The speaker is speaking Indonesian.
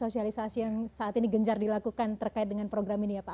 sosialisasi yang saat ini gencar dilakukan terkait dengan program ini ya pak